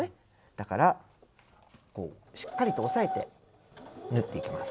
だからこうしっかりと押さえて縫っていきます。